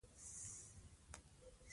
پاک نیت بریا راوړي.